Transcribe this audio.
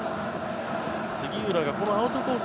杉浦がこのアウトコース